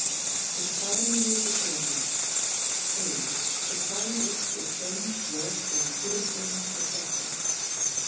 THE TIME AND THE OPPORTUNITY (a) _The time at which the change was or could have been effected.